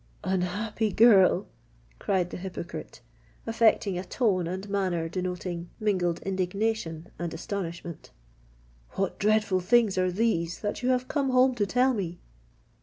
"Unhappy girl!" cried the hypocrite, affecting a tone and manner denoting mingled indignation and astonishment: "what dreadful things are these that you have come home to tell me?"